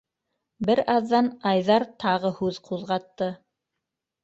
Бер аҙҙан Айҙар тағы һүҙ ҡуҙғатты: